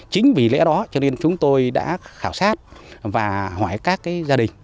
chính vì lẽ đó cho nên chúng tôi đã khảo sát và hỏi các gia đình